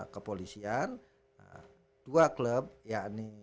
ke polisian dua klub yakni